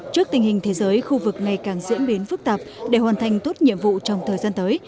trước tình hình thế giới khu vực ngày càng diễn biến phức tạp để hoàn thành tốt nhiệm vụ trong thời gian tới